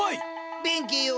弁慶よ